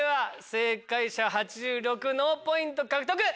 正解者８６脳ポイント獲得。